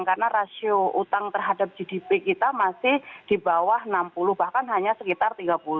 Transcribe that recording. karena rasio utang terhadap gdp kita masih di bawah enam puluh bahkan hanya sekitar tiga puluh